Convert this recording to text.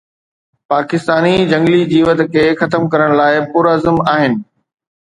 پاڪستاني جهنگلي جيوت کي ختم ڪرڻ لاءِ پرعزم آهن